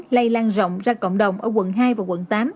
lây lan rộng ra cộng đồng ở quận hai và quận tám